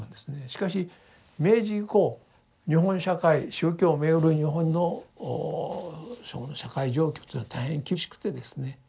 しかし明治以降日本社会宗教を巡る日本の社会状況というのは大変厳しくてですね